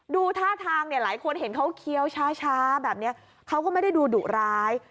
ดูท่าทางเนี่ยหลายคนเห็นเขาเคี้ยวช้าแบบนี้เขาก็ไม่ได้ดูดุร้าย